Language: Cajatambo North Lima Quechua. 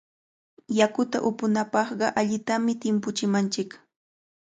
Yakuta upunapaqqa allitami timpuchinanchik.